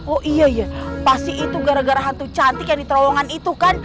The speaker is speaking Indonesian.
oh iya iya pasti itu gara gara hantu cantik yang di terowongan itu kan